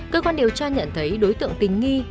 cơ quan điều tra nhận thấy đối tượng tình nghi